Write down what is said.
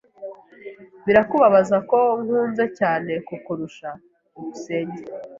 Birakubabaza ko nkuze cyane kukurusha? byukusenge